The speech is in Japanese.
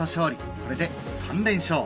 これで３連勝。